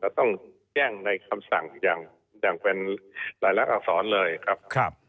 ต้องแจ้งในคำสั่งอย่างเป็นหลายละอักษรเลยครับ